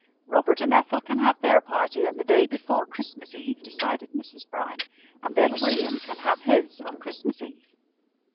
"Robert and Ethel can have their party on the day before Christmas Eve," decided Mrs. Brown, "and then William can have his on Christmas Eve."